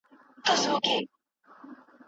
د نوروز د سهار باده